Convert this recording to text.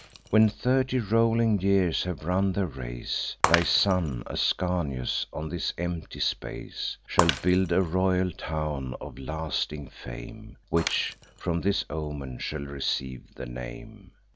When thirty rolling years have run their race, Thy son Ascanius, on this empty space, Shall build a royal town, of lasting fame, Which from this omen shall receive the name.